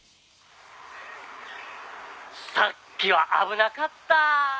「さっきは危なかった！」